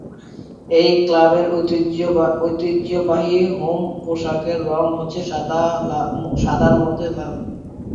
এই ক্লাবের ঐতিহ্যবাহী হোম পোশাকের রঙ হচ্ছে সাদার মধ্যে লাল।